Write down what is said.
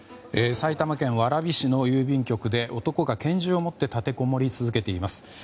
埼玉県蕨市の郵便局で男が拳銃を持って立てこもり続けています。